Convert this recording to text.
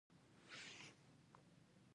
له زبېښونکو بنسټونو راتاوه کړۍ ډېره ځواکمنه وه.